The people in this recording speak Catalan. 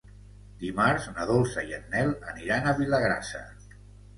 Dimarts na Dolça i en Nel aniran a Vilagrassa.